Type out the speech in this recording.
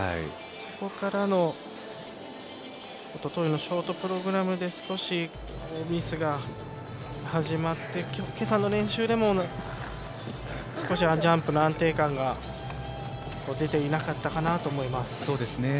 そこからのおとといのショートプログラムで少しミスが始まって今朝の練習でも少しジャンプの安定感が出ていなかったかなと思います。